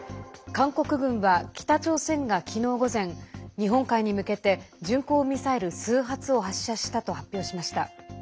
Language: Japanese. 韓国軍は北朝鮮が昨日午前日本海に向けて巡航ミサイル数発を発射したと発表しました。